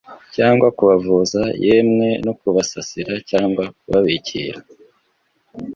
cyangwa kubavuza yemwe no kubasasira cyangwa kubabikira.